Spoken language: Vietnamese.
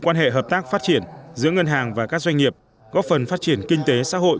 quan hệ hợp tác phát triển giữa ngân hàng và các doanh nghiệp góp phần phát triển kinh tế xã hội